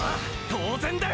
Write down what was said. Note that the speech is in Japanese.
当然だよ！！